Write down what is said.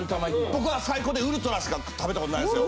僕は最高でウルトラしか食べたことないんですよ。